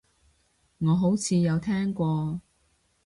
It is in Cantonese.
我好似有聽過